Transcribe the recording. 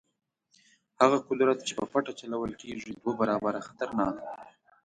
هغه قدرت چې په پټه چلول کېږي دوه برابره خطرناک دی.